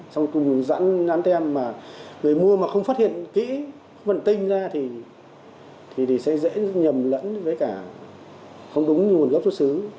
xong cùng dẫn nắm tem mà người mua mà không phát hiện kỹ không phần tinh ra thì sẽ dễ nhầm lẫn với cả không đúng nguồn gốc xuất xứ